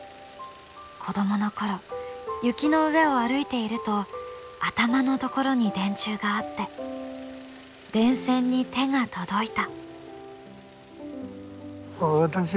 子どもの頃雪の上を歩いていると頭のところに電柱があって電線に手が届いた。